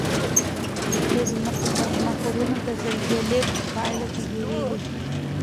د ځمکې پر مخ غرونه د زلزلې په پایله کې جوړیږي.